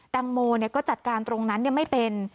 แตงโมก็จัดการตรงนั้นไม่เป็น